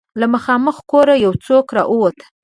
له مخامخ کوره يو څوک را ووت.